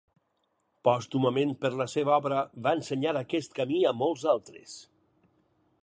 Pòstumament per la seva obra va ensenyar aquest camí a molts altres.